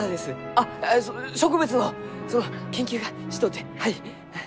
あっ植物のその研究がしとうてはい。